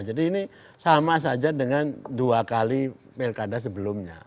jadi ini sama saja dengan dua kali plk das sebelumnya